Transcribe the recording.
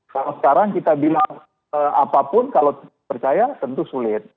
walaupun kalau percaya tentu sulit